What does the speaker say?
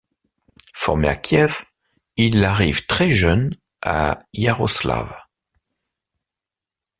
Formé à Kiev, il arrive très jeune à Iaroslavl.